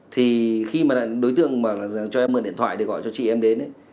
thì khi mà đối tượng cho em mượn điện thoại để gọi cho chị em đến ấy